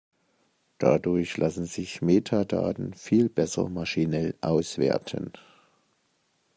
Dadurch lassen sich Metadaten viel besser maschinell auswerten.